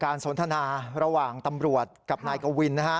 สนทนาระหว่างตำรวจกับนายกวินนะฮะ